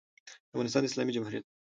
د افغانستان د اسلامي جمهوریت